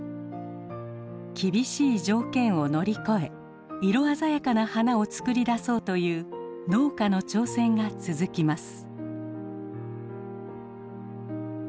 厳しい条件を乗り越え色鮮やかな花を作り出そうという農家の挑戦が続きます。